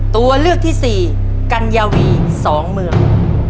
ตัวเลือกที่๔กัญญาวีสองเมือง